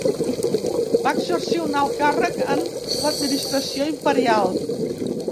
Va exercir un alt càrrec en l'administració imperial.